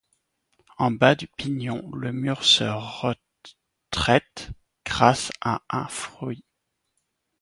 En bas du pignon, le mur se retraite grâce à un fruit.